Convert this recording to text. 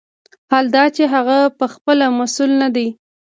حال دا چې هغه پخپله مسوول نه دی.